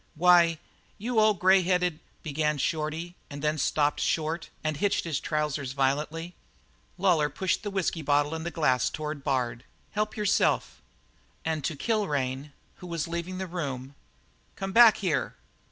"Why, you old, grey headed " began Shorty, and then stopped short and hitched his trousers violently. Lawlor pushed the bottle of whisky and glass toward Bard. "Help yourself." And to Kilrain, who was leaving the room: "Come back here."